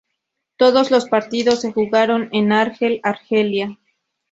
Todos los partidos se jugaron en Argel, Argelia.